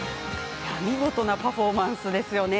見事なパフォーマンスですよね